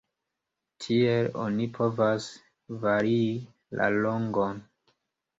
Tiel oni povas varii la longon.